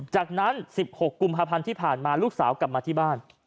จากนั้น๑๖กุมภาพันธ์ที่ผ่านมาลูกสาวกลับมาที่บ้าน